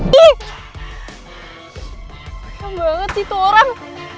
gila banget sih itu orang